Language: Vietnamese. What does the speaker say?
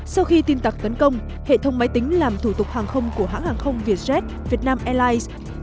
sau khi tin tặc tấn công hệ thống máy tính làm thủ tục hàng không của hãng hàng không vietjet vietnam airlines